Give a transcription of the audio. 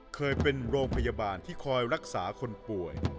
เคยเป็นโรงพยาบาลที่คอยรักษาคนป่วย